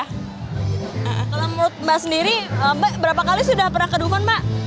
kalau menurut mbak sendiri mbak berapa kali sudah pernah ke dukun mbak